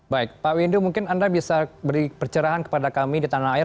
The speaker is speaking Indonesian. baik pak windu mungkin anda bisa beri percerahan kepada kami di tanah air